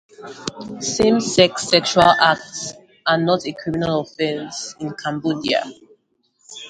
Same-sex sexual acts are not a criminal offence in Cambodia.